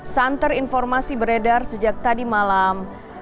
santer informasi beredar sejak tadi malam